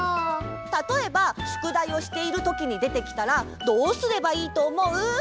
たとえばしゅくだいをしているときにでてきたらどうすればいいとおもう？